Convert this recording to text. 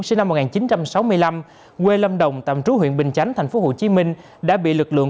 sinh năm một nghìn chín trăm sáu mươi năm quê lâm đồng tạm trú huyện bình chánh tp hcm đã bị lực lượng